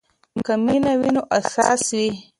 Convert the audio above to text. که مینه وي نو اساس وي.